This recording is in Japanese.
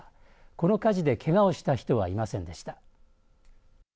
この火事でけがをした人はいませんでした。